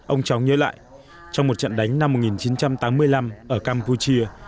ông tróng nhớ lại trong một trận đánh năm một nghìn chín trăm tám mươi năm ở campuchia